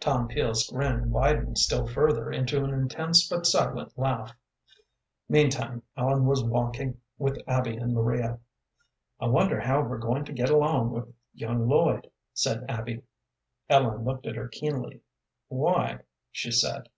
Tom Peel's grin widened still further into an intense but silent laugh. Meantime Ellen was walking with Abby and Maria. "I wonder how we're going to get along with young Lloyd," said Abby. Ellen looked at her keenly. "Why?" she said.